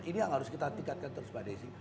ini yang harus kita tingkatkan terus pada isi